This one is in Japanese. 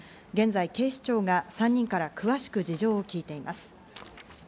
現在、警視庁が３人から詳しく事情を聴いています。